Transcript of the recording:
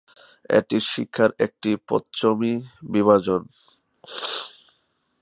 এটি শিক্ষার একটি পশ্চিমী বিভাজন।